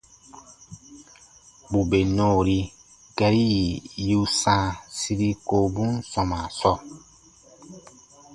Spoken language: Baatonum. Bù bè nɔɔri gari yì yu sãa siri kowobun sɔmaa sɔɔ,